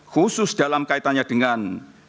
khusus dalam kaitannya dengan